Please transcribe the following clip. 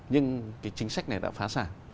nhưng cái chính sách này đã phá sản